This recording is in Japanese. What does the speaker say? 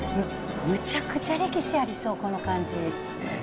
むちゃくちゃ歴史ありそう、この感じ。